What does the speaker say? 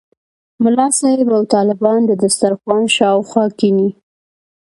ملا صاحب او طالبان د دسترخوان شاوخوا کېني.